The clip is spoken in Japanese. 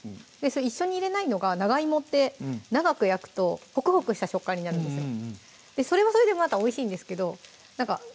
それ一緒に入れないのが長いもって長く焼くとホクホクした食感になるんですよ